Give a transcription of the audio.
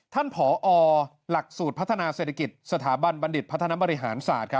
ผอหลักสูตรพัฒนาเศรษฐกิจสถาบันบัณฑิตพัฒนบริหารศาสตร์